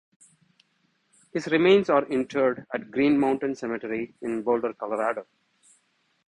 His remains are interred at Green Mountain Cemetery in Boulder, Colorado.